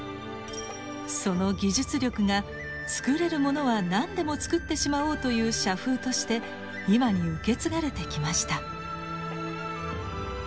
その技術力が「作れるものは何でも作ってしまおう」という社風として今に受け継がれてきました。